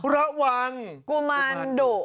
ระวังกุมารดุ